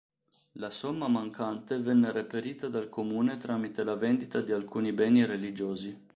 La somma mancante venne reperita dal Comune tramite la vendita di alcuni beni religiosi.